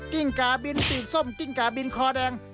กิ้งกาบินปีกส้มกิ้งกาบินคอแดง